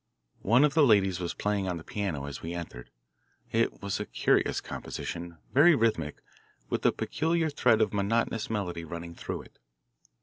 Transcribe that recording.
One of the ladies was playing on the piano as we entered. It was a curious composition very rhythmic, with a peculiar thread of monotonous melody running through it.